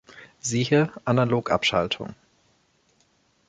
Siehe: Analogabschaltung.